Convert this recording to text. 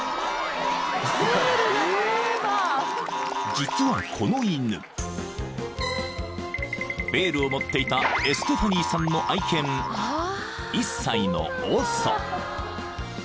［実はこの犬ベールを持っていたエステファニーさんの愛犬１歳のオソ］